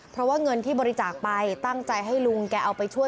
เพราะว่าเงินที่บริจาคไปตั้งใจให้ลุงแกเอาไปช่วย